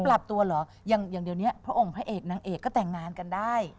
ปรับตัวเหรออย่างเดี๋ยวนี้พระองค์พระเอกนางเอกก็แต่งงานกันได้